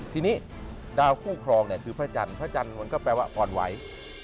ทีนี้ดาวคู่ครองเนี่ยคือพระจันทร์พระจันทร์มันก็แปลว่าอ่อนไหว